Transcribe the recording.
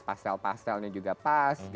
pastel pastelnya juga pas